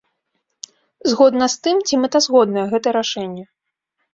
Згодна з тым, ці мэтазгоднае гэта рашэнне.